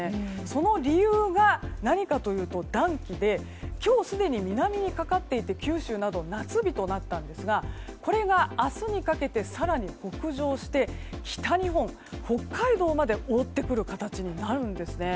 その理由が、何かというと暖気で今日すでに南にかかっていて九州などは夏日となったんですがこれが、明日にかけて更に北上して北日本、北海道まで覆ってくる形になるんですね。